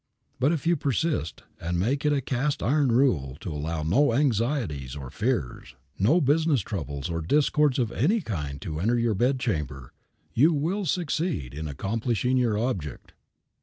But if you persist, and make it a cast iron rule to allow no anxieties or fears, no business troubles or discords of any kind to enter your bed chamber, you will succeed in accomplishing your object.